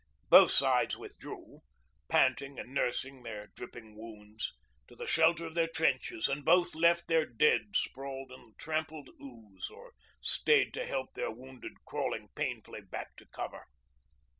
Both sides withdrew, panting and nursing their dripping wounds, to the shelter of their trenches, and both left their dead sprawled in the trampled ooze or stayed to help their wounded crawling painfully back to cover.